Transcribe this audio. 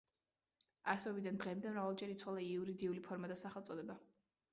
არსებობიდან დღემდე მრავალჯერ იცვალა იურიდიული ფორმა და სახელწოდება.